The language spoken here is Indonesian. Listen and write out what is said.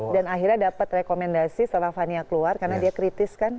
akhirnya dapat rekomendasi setelah fania keluar karena dia kritis kan